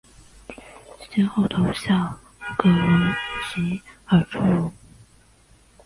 先后投效葛荣及尔朱荣。